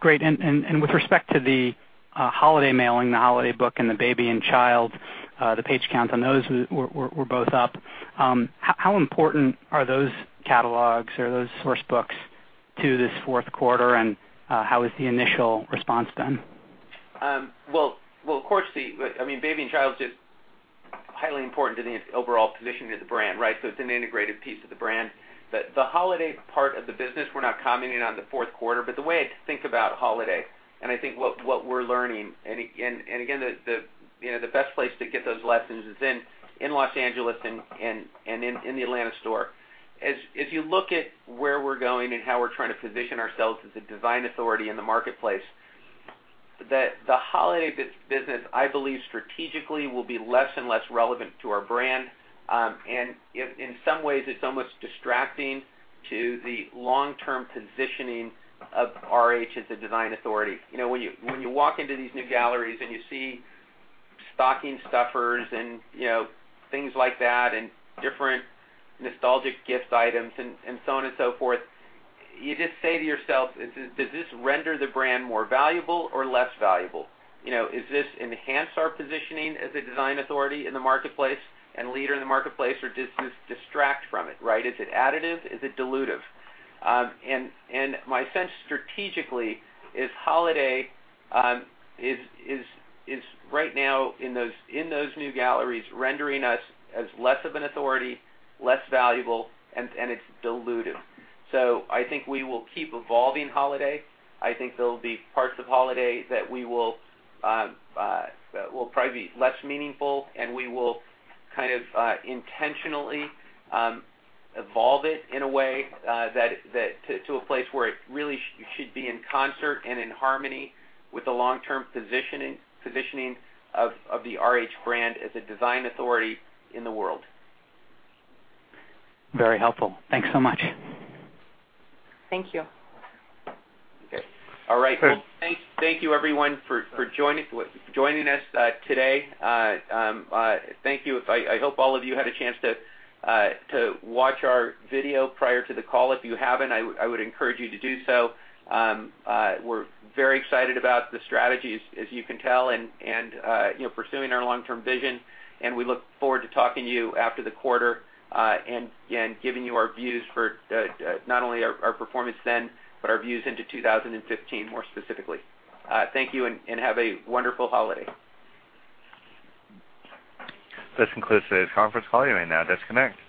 Great. With respect to the holiday mailing, the holiday book, and the RH Baby & Child, the page counts on those were both up. How important are those catalogs or those source books to this fourth quarter, and how has the initial response been? Well, of course, RH Baby & Child is just highly important to the overall positioning of the brand, right? It's an integrated piece of the brand. The holiday part of the business, we're not commenting on the fourth quarter, but the way I think about holiday and I think what we're learning, and again, the best place to get those lessons is in Los Angeles and in the Atlanta store. As you look at where we're going and how we're trying to position ourselves as a design authority in the marketplace, the holiday business, I believe strategically, will be less and less relevant to our brand. In some ways, it's almost distracting to the long-term positioning of RH as a design authority. When you walk into these new galleries and you see stocking stuffers and things like that and different nostalgic gift items and so on and so forth, you just say to yourself, "Does this render the brand more valuable or less valuable? Is this enhance our positioning as a design authority in the marketplace and leader in the marketplace, or does this distract from it?" Right? Is it additive? Is it dilutive? My sense strategically is holiday is right now in those new galleries, rendering us as less of an authority, less valuable, and it's dilutive. I think we will keep evolving holiday. I think there'll be parts of holiday that will probably be less meaningful, and we will kind of intentionally evolve it in a way to a place where it really should be in concert and in harmony with the long-term positioning of the RH brand as a design authority in the world. Very helpful. Thanks so much. Thank you. Okay. All right. Great. Well, thank you everyone for joining us today. Thank you. I hope all of you had a chance to watch our video prior to the call. If you haven't, I would encourage you to do so. We're very excited about the strategies, as you can tell, and pursuing our long-term vision, and we look forward to talking to you after the quarter, and again, giving you our views for not only our performance then, but our views into 2015, more specifically. Thank you, and have a wonderful holiday. This concludes today's conference call. You may now disconnect.